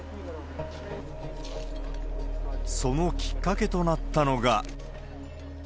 そのきっかけとなったのが。